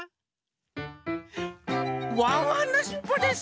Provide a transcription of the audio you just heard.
ワンワンのしっぽです！